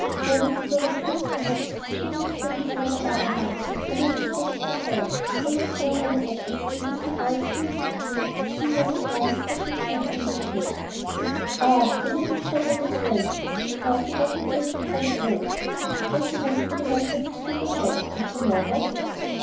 Then if I refused perhaps I should not stay with Mother Barberin.... I might be sent to the Home. I was very unhappy, and as my eyes filled with tears, Signor Vitalis tapped me gently on the cheek. "Ah, the little chap understands because he does not make a great noise. He is arguing the matter in his little head, and to morrow...."